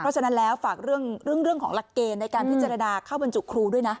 เพราะฉะนั้นแล้วฝากเรื่องของหลักเกณฑ์ในการพิจารณาเข้าบรรจุครูด้วยนะ